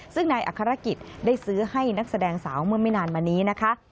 ซึ่งนายอัครกิจได้ซื้อให้นักแสดงสาวเมื่อไม่นานมานี้นะคะ